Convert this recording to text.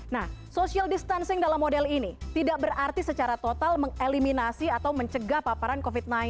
nah social distancing dalam model ini tidak berarti secara total mengeliminasi atau mencegah paparan covid sembilan belas